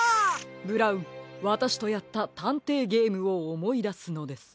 ブラウンわたしとやったたんていゲームをおもいだすのです。